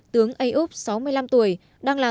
tướng ayyub sáu mươi năm tuổi đang là